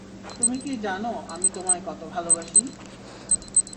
তুমি কি জানো আমি তোমায় কত ভালোবাসি?